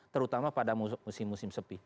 terutama pada musim musim sepi